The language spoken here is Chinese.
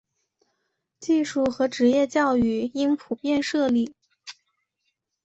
技术和职业教育应普遍设立。